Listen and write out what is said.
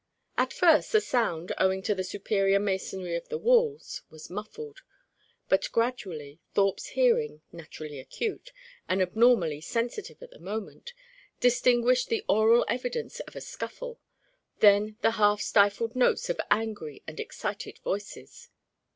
At first the sound, owing to the superior masonry of the walls, was muffled; but, gradually, Thorpe's hearing, naturally acute, and abnormally sensitive at the moment, distinguished the oral evidence of a scuffle, then the half stifled notes of angry and excited voices.